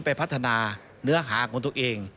ไปพัฒนาเนื้อหาของตัวเอง